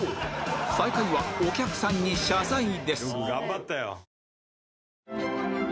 最下位はお客さんに謝罪です